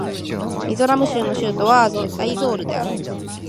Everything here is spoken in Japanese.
ミゾラム州の州都はアイゾールである